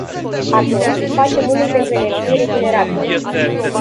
Atunci, facem unul pentru energie regenerabilă.